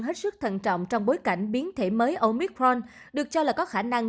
hết sức thận trọng trong bối cảnh biến thể mới omithron được cho là có khả năng